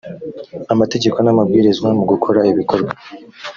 amategeko n amabwiriza mu gukora ibikorwa